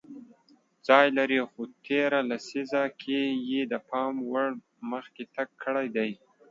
ځای لري خو تېره لیسزه کې یې د پام وړ مخکې تګ کړی دی